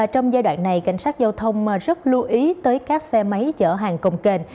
trong giai đoạn này cảnh sát giao thông rất lưu ý tới các xe máy chở hàng công kênh